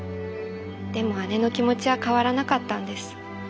でも姉の気持ちは変わらなかったんです。